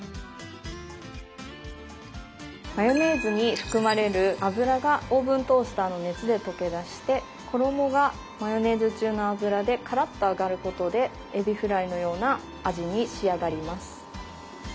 マヨネーズに含まれる油がオーブントースターの熱で溶け出して衣がマヨネーズ中の油でカラッと揚がることでえびフライのような味に仕上がります。